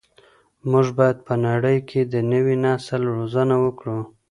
موږ باید په نړۍ کي د نوي نسل روزنه وکړو.